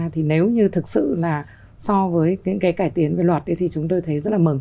thì nếu như thực sự là so với những cái cải tiến về luật thì chúng tôi thấy rất là mừng